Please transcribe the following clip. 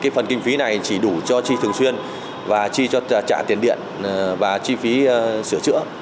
phần kinh phí này chỉ đủ cho chi thường xuyên và chi cho trả tiền điện và chi phí sửa chữa